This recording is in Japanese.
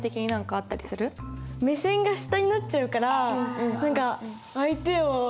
目線が下になっちゃうから何か相手を。